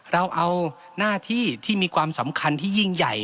เราเอาหน้าที่ที่มีความสำคัญที่ยิ่งใหญ่